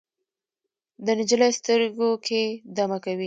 د نجلۍ سترګو کې دمه کوي